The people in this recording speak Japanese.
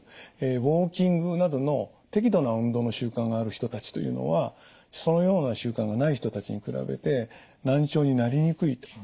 ウォーキングなどの適度な運動の習慣がある人たちというのはそのような習慣がない人たちに比べて難聴になりにくいというデータがあります。